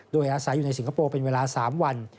โดยอาศัยอยู่ในสิงคโปร์เป็นเวลา๓วัน